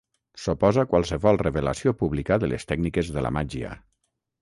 S'oposa a qualsevol revelació pública de les tècniques de la màgia.